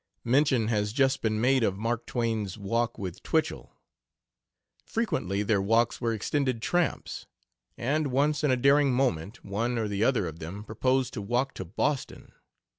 Mention has just been made of Mark Twain's walk with Twichell. Frequently their walks were extended tramps, and once in a daring moment one or the other of them proposed to walk to Boston.